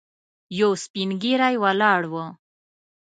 یو سپين ږيری ولاړ و.